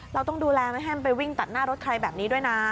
เราต้องดูแลไม่ให้มันไปวิ่งตัดหน้ารถใครแบบนี้ด้วยนะ